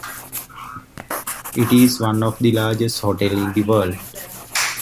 It is one of the largest hotels in the world.